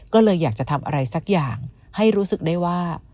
ก็เลยอยากจะทำอะไรสักอย่างให้รู้สึกได้ว่า